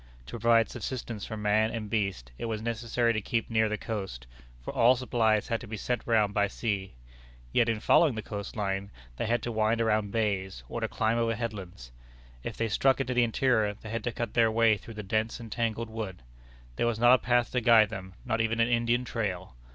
To provide subsistence for man and beast, it was necessary to keep near the coast, for all supplies had to be sent round by sea. Yet in following the coast line, they had to wind around bays, or to climb over headlands. If they struck into the interior, they had to cut their way through the dense and tangled wood. There was not a path to guide them, not even an Indian trail.